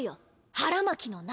腹巻きの中。